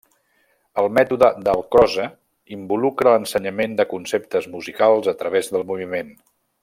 El mètode Dalcroze involucra l’ensenyament de conceptes musicals a través del moviment.